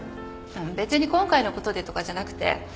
別に今回のことでとかじゃなくて